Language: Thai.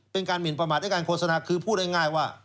เป็นการหมินประมาทด้วยการโฆษณาคือพูดง่ายว่า